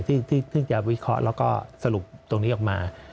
ที่จะวิเคราะห์แล้วก็สรุปตรงนี้ออกมา